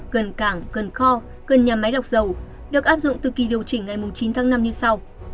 gần cảng cần kho gần nhà máy lọc dầu được áp dụng từ kỳ điều chỉnh ngày chín tháng năm như sau